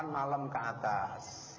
delapan malam ke atas